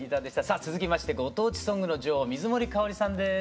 さあ続きましてご当地ソングの女王水森かおりさんです。